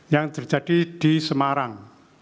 yang terjadi di semarang